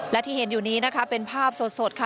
และที่เห็นอยู่นี้นะคะเป็นภาพสดค่ะ